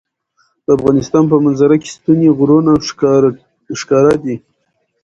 د افغانستان په منظره کې ستوني غرونه ښکاره ده.